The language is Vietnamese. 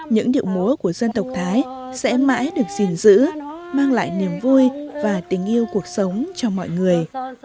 những điệu múa của dân tộc thái sẽ mãi được gìn giữ mang lại niềm vui và tình yêu cuộc sống cho mọi người